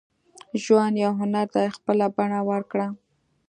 • ژوند یو هنر دی، خپله بڼه ورکړه.